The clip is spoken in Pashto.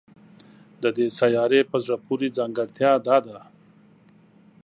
د دې سیارې په زړه پورې ځانګړتیا دا ده